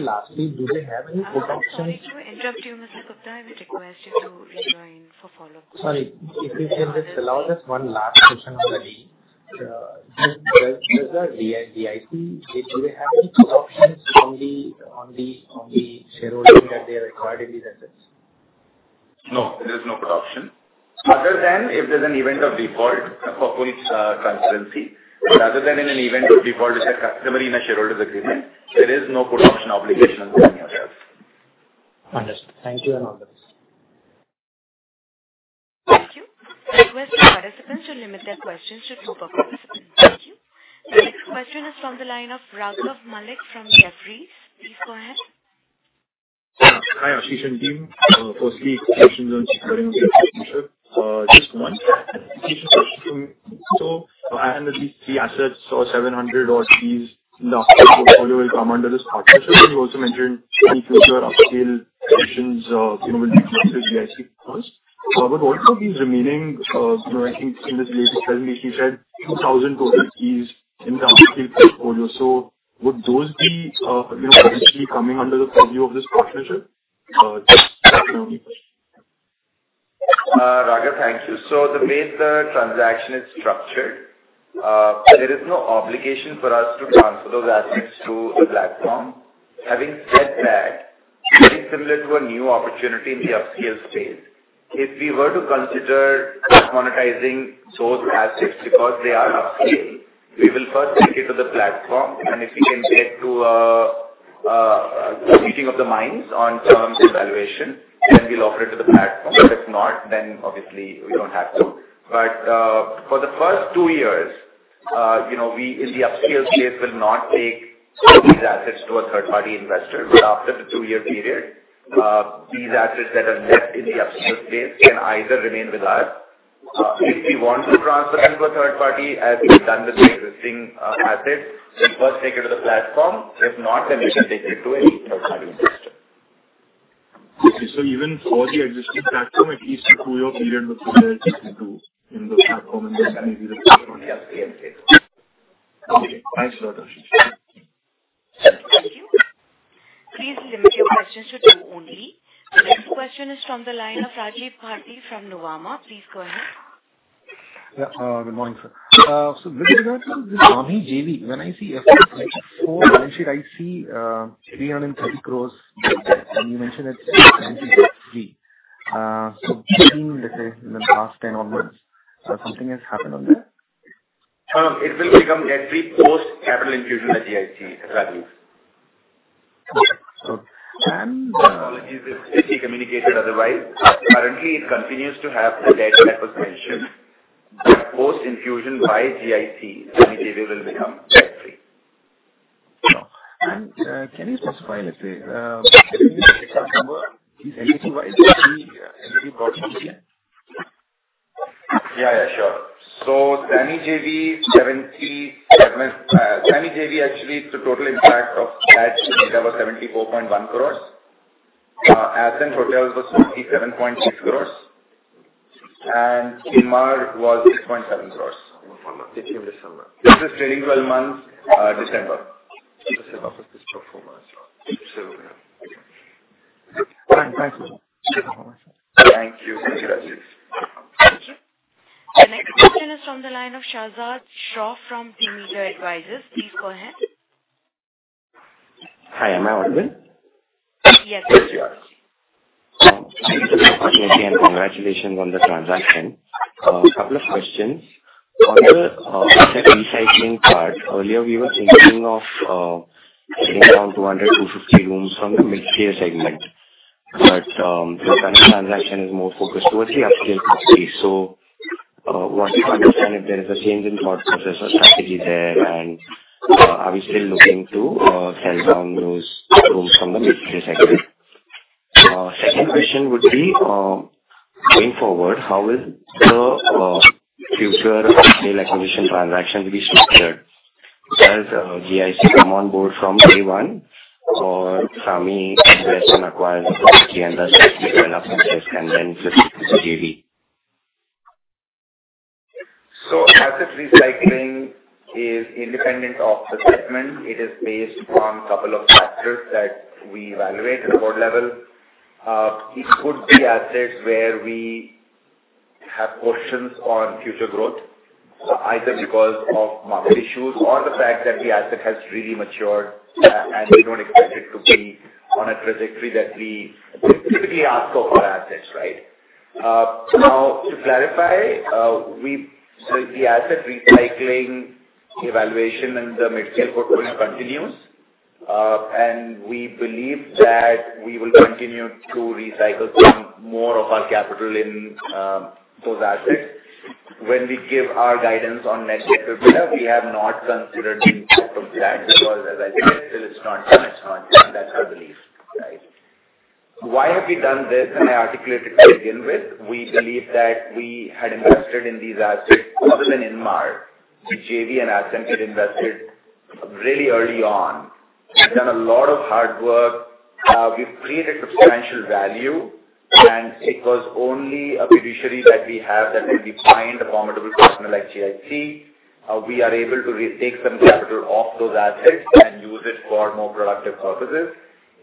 Lastly, do they have any put options? Thank you. Interrupting you, Mr. Kutha. I would request you to rejoin for follow-up questions. Sorry. If you can just allow us one last question on the deal. Does GIC, do they have any put options on the shareholders that they are required in these assets? No. There is no put option. Other than if there's an event of default for full transparency. Other than in an event of default, which is customary in a shareholders' agreement, there is no put option obligation on SAMHI Hotels. Understood. Thank you and all the best. Thank you. Request the participants to limit their questions to two participants. Thank you. The next question is from the line of Raghav Malik from Jefferies. Please go ahead. Hi, Ashish and team. Firstly, questions on securing the partnership. Just one question for me. I under these three assets, so 700 or keys, the portfolio will come under this partnership. You also mentioned any future upscale options will be connected to GIC costs. Also, these remaining, I think in this latest presentation, you said 2,000 total keys in the upscale portfolio. Would those be potentially coming under the purview of this partnership? That's my only question. Raghav, thank you. The way the transaction is structured, there is no obligation for us to transfer those assets to the platform. Having said that, very similar to a new opportunity in the upscale space, if we were to consider monetizing those assets because they are upscale, we will first take it to the platform. If we can get to a meeting of the minds on terms and valuation, then we'll offer it to the platform. If not, we do not have to. For the first two years, we in the upscale space will not take these assets to a third-party investor. After the two-year period, these assets that are left in the upscale space can either remain with us. If we want to transfer them to a third party, as we've done with the existing assets, we first take it to the platform. If not, then we can take it to any third-party investor. Okay. Even for the existing platform, at least the two-year period would be there to do in the platform and then maybe the. On the upscale space. Okay. Thanks a lot, Ashish. Thank you. Please limit your questions to two only. The next question is from the line of Rajiv Bharti from Nuvama. Please go ahead. Yeah. Good morning, sir. With regard to this SAMHI JV, when I see FS4 balance sheet, I see 330 crores, and you mentioned that it's a fancy fee. Between, let's say, in the last 10 or months, something has happened on that? It will become debt-free post-capital infusion by GIC, Rajiv. Okay. So. Apologies if it's miscommunicated otherwise. Currently, it continues to have the debt that was mentioned. After infusion by GIC, SAMHI JV will become debt-free. Can you specify, let's say, can you just check that number? Is SAMHI brought into the plan? Yeah. Yeah. Sure. SAMHI JV, 77 SAMHI JV, actually, the total impact of that data was 74.1 crores. Ascent Hotels was 47.6 crores. And Innmar was 6.7 crores. In December. This is trailing 12 months, December. December. Thank you. Thank you. Thank you, Rajiv. Thank you. The next question is from the line of Shahzad Shah from T-Meter Advisors. Please go ahead. Hi. Am I audible? Yes. Yes, you are. Thank you for the opportunity and congratulations on the transaction. A couple of questions. On the upscale part, earlier we were thinking of selling down 200-250 rooms from the mid-tier segment. The current transaction is more focused towards the upscale space. I want to understand if there is a change in thought process or strategy there, and are we still looking to sell down those rooms from the mid-tier segment? Second question would be, going forward, how will the future upscale acquisition transactions be structured? Does GIC come on board from day one, or SAMHI invests and acquires the 50 and does 50 development first, and then 50 to the JV? Asset recycling is independent of the segment. It is based on a couple of factors that we evaluate at the board level. It could be assets where we have questions on future growth, either because of market issues or the fact that the asset has really matured, and we do not expect it to be on a trajectory that we typically ask for for assets, right? To clarify, the asset recycling evaluation in the mid-tier portfolio continues. We believe that we will continue to recycle some more of our capital in those assets. When we give our guidance on next steps, we have not considered the impact on the asset because, as I said, still it is not done. It is not done. That is our belief, right? Why have we done this? I articulate it to begin with. We believe that we had invested in these assets other than Inmar. JV and Ascent had invested really early on. We've done a lot of hard work. We've created substantial value. It was only a fiduciary that we have that when we find a formidable partner like GIC, we are able to take some capital off those assets and use it for more productive purposes.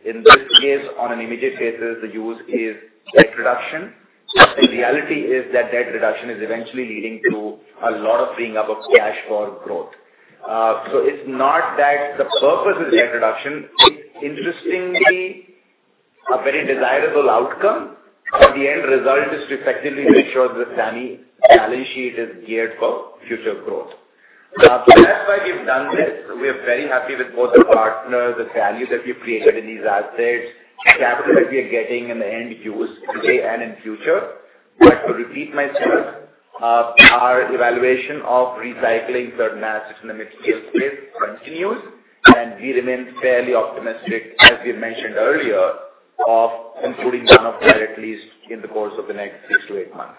In this case, on an immediate basis, the use is debt reduction. The reality is that debt reduction is eventually leading to a lot of freeing up of cash for growth. It's not that the purpose is debt reduction. It's interestingly a very desirable outcome. The end result is to effectively make sure the SAMHI balance sheet is geared for future growth. That's why we've done this. We are very happy with both the partners, the value that we've created in these assets, the capital that we are getting in the end use today and in future. To repeat myself, our evaluation of recycling third assets in the mid-tier space continues. We remain fairly optimistic, as we mentioned earlier, of including one of them at least in the course of the next six to eight months.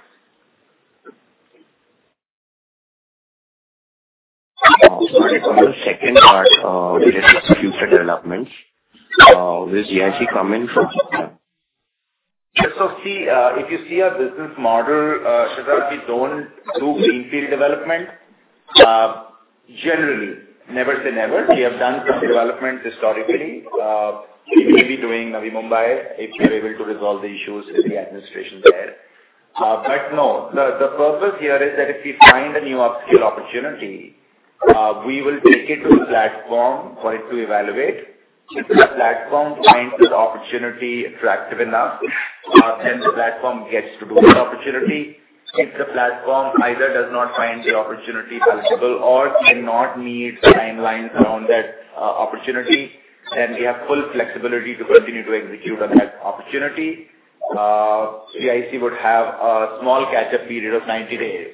The second part, which is future developments, will GIC come in for? If you see our business model, Shahzad, we don't do greenfield development. Generally, never say never. We have done some development historically. We may be doing Navi Mumbai if we are able to resolve the issues in the administration there. The purpose here is that if we find a new upscale opportunity, we will take it to the platform for it to evaluate. If the platform finds that opportunity attractive enough, then the platform gets to do that opportunity. If the platform either does not find the opportunity valuable or cannot meet timelines around that opportunity, then we have full flexibility to continue to execute on that opportunity. GIC would have a small catch-up period of 90 days,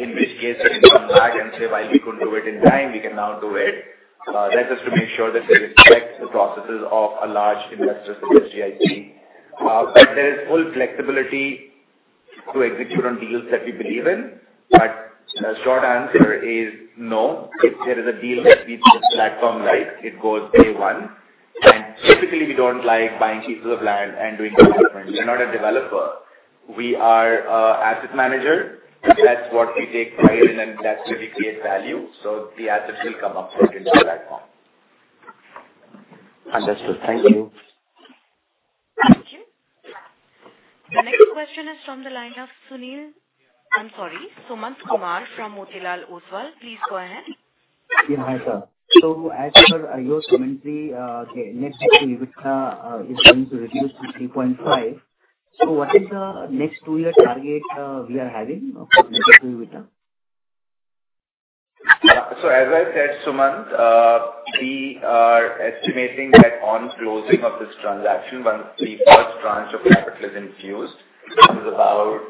in which case they can come back and say, "While we couldn't do it in time, we can now do it." That is just to make sure that we respect the processes of a large investor such as GIC. There is full flexibility to execute on deals that we believe in. The short answer is no. If there is a deal that we see the platform like, it goes day one. Typically, we don't like buying pieces of land and doing development. We're not a developer. We are an asset manager. That is what we take pride in, and that is where we create value. The assets will come upfront into the platform. Understood. Thank you. Thank you. The next question is from the line of Sunil—I'm sorry. Sumant Kumar from Motilal Oswal. Please go ahead. Hi, sir. As per your commentary, the next EBITDA is going to reduce to 3.5. What is the next two-year target we are having for the next two EBITDA? As I said, Sumant, we are estimating that on closing of this transaction, once the first tranche of capital is infused, which is about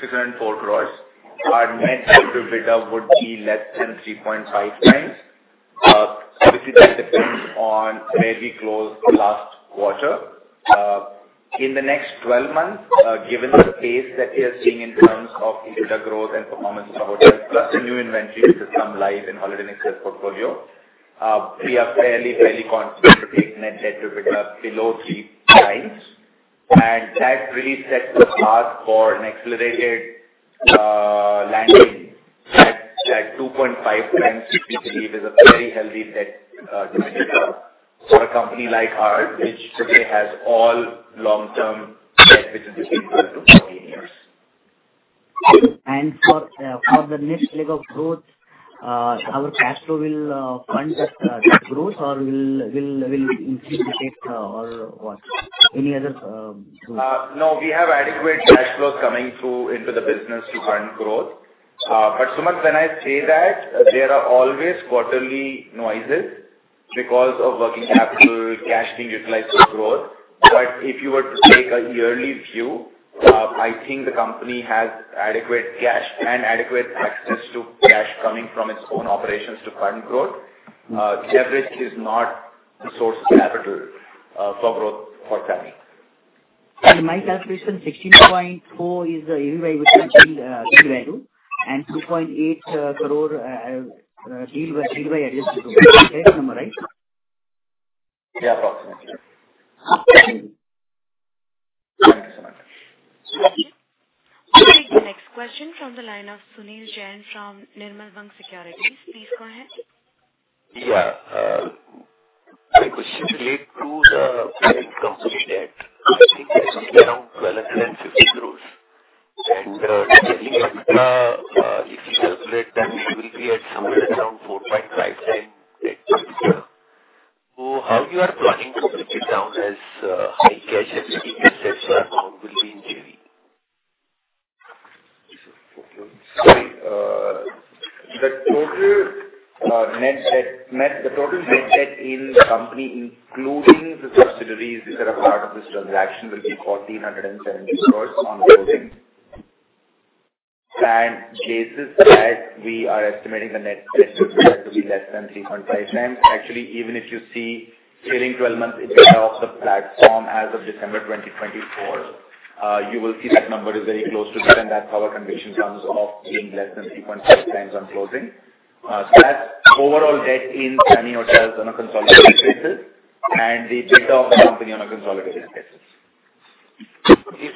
604 crore, our net EBITDA would be less than 3.5x. Obviously, that depends on where we close last quarter. In the next 12 months, given the pace that we are seeing in terms of EBITDA growth and performance of the hotel, plus the new inventory to some live and Holiday Inn Express portfolio, we are fairly, fairly confident to take net debt to EBITDA below 3x. That really sets the path for an accelerated landing at 2.5x, which we believe is a very healthy debt to EBITDA for a company like ours, which today has all long-term debt, which is between 12-14 years. For the next leg of growth, our cash flow will fund that growth, or will it increase the debt, or what? Any other growth? No, we have adequate cash flows coming through into the business to fund growth. Somantha, when I say that, there are always quarterly noises because of working capital, cash being utilized for growth. If you were to take a yearly view, I think the company has adequate cash and adequate access to cash coming from its own operations to fund growth. Leverage is not the source of capital for growth for SAMHI. My calculation, 16.4 crore is the deal value, and 2.8 crore deal by address to deal. That's the number, right? Yeah, approximately. Thank you. Thank you, Somantha. Thank you. The next question from the line of Sunil Jain from Nirmal Bang Securities. Please go ahead. Yeah. My question relates to the current company debt. I think it's something around INR 1,250 crore. And generally, if you calculate, then we will be at somewhere around 4.5x debt to EBITDA. So how you are planning to break it down as high cash as it is set for how it will be in JV? The total net debt in the company, including the subsidiaries which are a part of this transaction, will be 1,470 crore on closing. Basis that, we are estimating the net debt to be less than 3.5x, actually, even if you see trailing 12 months of the platform as of December 2024, you will see that number is very close to that. That is how our conviction comes off being less than 3.5x on closing. That is overall debt in SAMHI ourselves on a consolidated basis, and the EBITDA of the company on a consolidated basis. If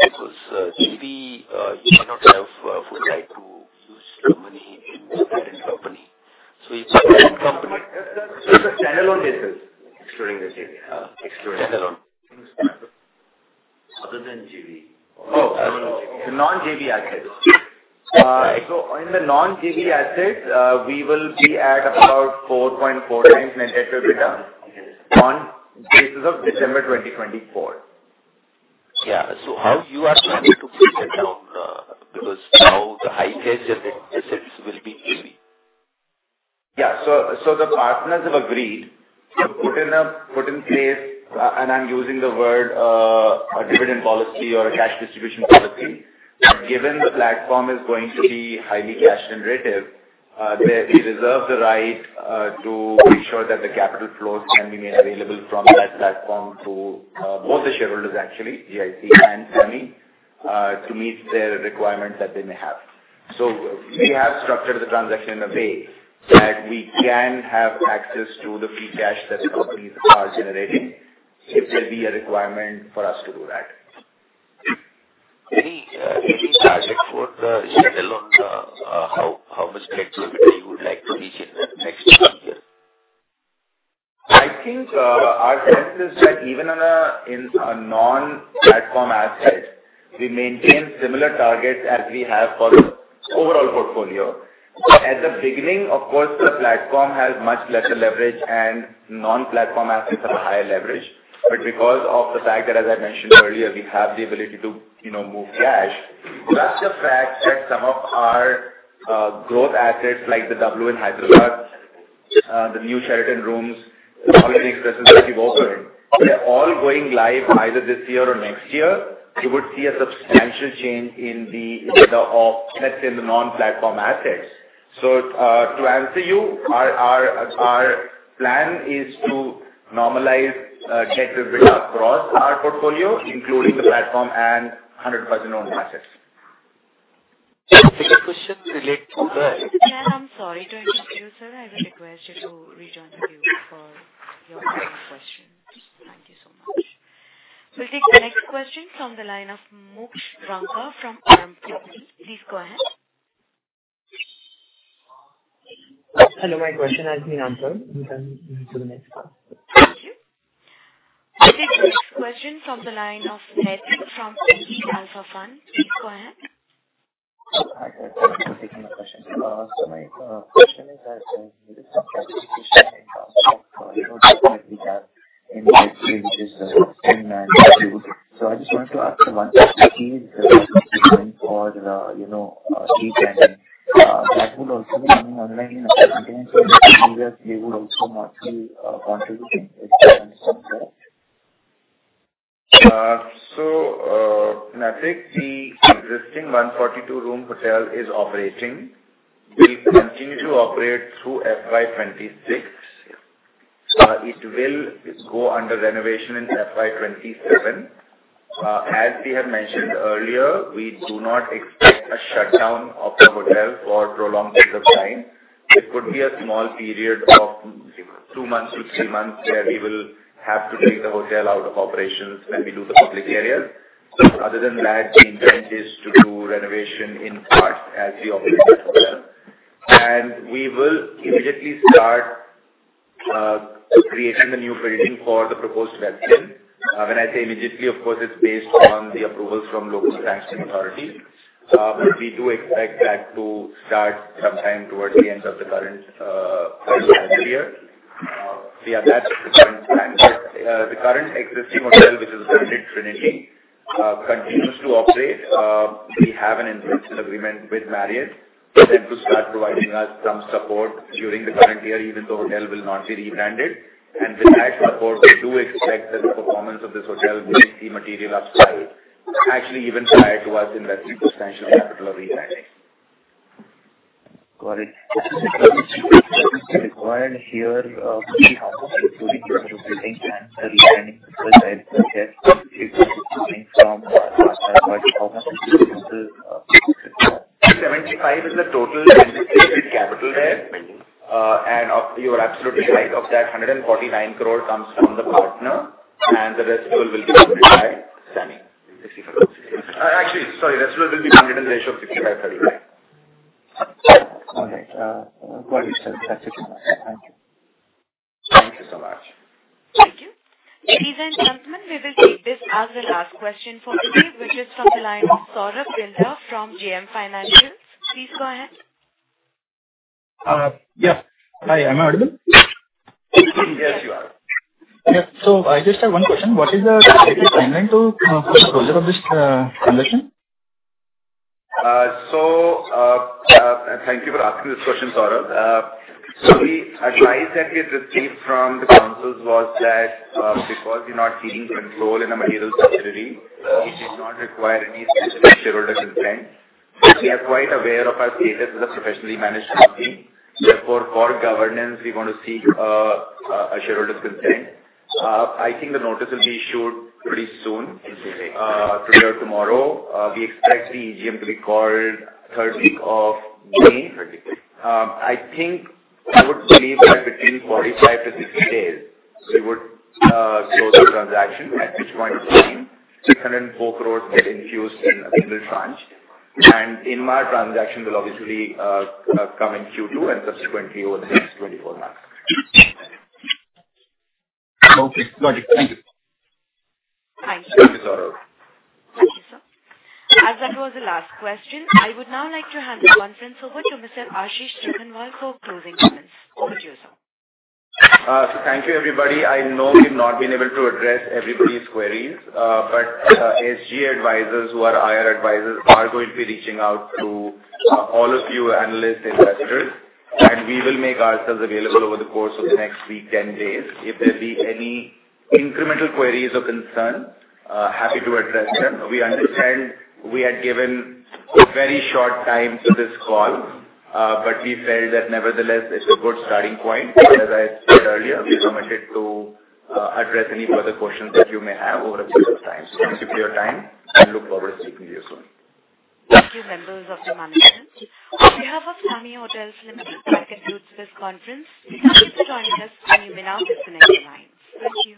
you talk about just the parent part, because GV, you cannot have full right to use money in the parent company. So if the parent company. Just the standalone basis. Excluding the JV. Standalone. Other than JV? Oh, non-JV assets. In the non-JV assets, we will be at about 4.4x net debt to EBITDA on basis of December 2024. Yeah. So how are you planning to break it down? Because now the high cash assets will be JV. Yeah. The partners have agreed to put in place—and I'm using the word—a dividend policy or a cash distribution policy. Given the platform is going to be highly cash-generative, they reserve the right to make sure that the capital flows can be made available from that platform to both the shareholders, actually, GIC and SAMHI, to meet their requirements that they may have. We have structured the transaction in a way that we can have access to the free cash that the companies are generating if there be a requirement for us to do that. Any target for the standalone? How much debt to EBITDA you would like to reach in the next two years? I think our sense is that even in a non-platform asset, we maintain similar targets as we have for the overall portfolio. At the beginning, of course, the platform has much lesser leverage, and non-platform assets have a higher leverage. Because of the fact that, as I mentioned earlier, we have the ability to move cash, plus the fact that some of our growth assets like the W in Hyderabad, the new Sheraton rooms, the Holiday Inn Expresses that we've opened, they're all going live either this year or next year, you would see a substantial change in the EBITDA of, let's say, the non-platform assets. To answer you, our plan is to normalize debt to EBITDA across our portfolio, including the platform and 100% owned assets. The question relates to the. Mr. Jakhanwala, I'm sorry to interrupt you, sir. I will request you to rejoin the queue for your question. Thank you so much. We'll take the next question from the line of Mukesh Rankar from ARM Company. Please go ahead. Hello. My question has been answered. We can move to the next one. Thank you. We'll take the next question from the line of Nettie from P/E Alpha Fund. Please go ahead. Hi, sir. Thank you for taking my question. My question is that this is a strategic decision in terms of. I know definitely we have in the next three weeks just a steam and fuel. I just wanted to ask one question to see the revenue for seed planning. That would also be coming online in a few days. They would also not be contributing. Is that understandable? Nettie, the existing 142-room hotel is operating. We'll continue to operate through FY 2026. It will go under renovation in FY 2027. As we have mentioned earlier, we do not expect a shutdown of the hotel for a prolonged period of time. It could be a small period of two to three months where we will have to take the hotel out of operations when we do the public areas. Other than that, the intent is to do renovation in part as we operate the hotel. We will immediately start creating the new building for the proposed Westin. When I say immediately, of course, it's based on the approvals from local sanctioning authorities. We do expect that to start sometime towards the end of the current financial year. The current existing hotel, which is the Trinity, continues to operate. We have an investment agreement with Marriott for them to start providing us some support during the current year, even though the hotel will not be rebranded. With that support, we do expect that the performance of this hotel will be seen materially upside, actually even prior to us investing substantial capital of rebranding. Got it. Required here, how much is doing the rebranding? The rebranding side is coming from what partners? How much is the total? 75 is the total invested capital there. You are absolutely right. Of that, 149 crore comes from the partner, and the rest will be funded by SAMHI. Actually, sorry, the rest will be funded in the ratio of 65/35. All right. Got it. That's it. Thank you. Thank you so much. Thank you. Ladies and gentlemen, we will take this as the last question for today, which is from the line of Sourabh Gilda from JM Financial. Please go ahead. Yes. Hi. Am I audible? Yes, you are. Yes. I just have one question. What is the specific timeline for the project of this transaction? Thank you for asking this question, Saurabh. The advice that we had received from the councils was that because we're not seeking control in a material subsidiary, it did not require any specific shareholder consent. We are quite aware of our status as a professionally managed company. Therefore, for governance, we want to seek a shareholder's consent. I think the notice will be issued pretty soon, today or tomorrow. We expect the EGM to be called third week of May. I think I would believe that between 45-60 days, we would close the transaction, at which point in time, 604 crore will be infused in a single tranche. Inmar transaction will obviously come in Q2 and subsequently over the next 24 months. Okay. Got it. Thank you. Thank you. Thank you, Saurabh. Thank you, sir. As that was the last question, I would now like to hand the conference over to Mr. Ashish Jakhanwala for closing comments. Over to you, sir. Thank you, everybody. I know we have not been able to address everybody's queries, but SG Advisors, who are IR Advisors, are going to be reaching out to all of you analysts and investors. We will make ourselves available over the course of the next week, 10 days. If there be any incremental queries or concerns, happy to address them. We understand we had given very short time to this call, but we felt that nevertheless, it is a good starting point. As I said earlier, we are permitted to address any further questions that you may have over a period of time. Thank you for your time, and look forward to speaking to you soon. Thank you, members of the management. On behalf of SAMHI Hotels Limited, we conclude this conference. Thank you for joining us. We will now disconnect the line. Thank you.